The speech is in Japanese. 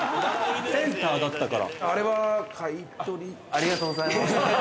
ありがとうございます。